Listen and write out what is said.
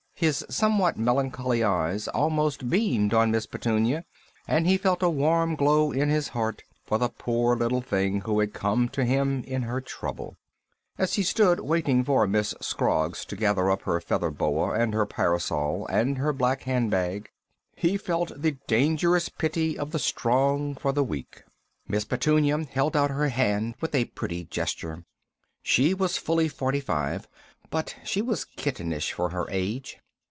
His somewhat melancholy eyes almost beamed on Miss Petunia, and he felt a warm glow in his heart for the poor little thing who had come to him in her trouble. As he stood waiting for Miss Scroggs to gather up her feather boa and her parasol and her black hand bag, he felt the dangerous pity of the strong for the weak. Miss Petunia held out her hand with a pretty gesture. She was fully forty five, but she was kittenish for her age.